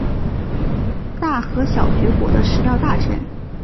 大和小学国的食料大臣。